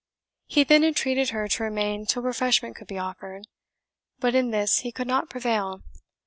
He then entreated her to remain till refreshment could be offered, but in this he could not prevail.